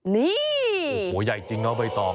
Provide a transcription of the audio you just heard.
นี่โอ้โหใหญ่จริงน้องใบตอง